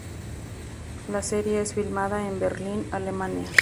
La serie es filmada en Berlín, Alemania.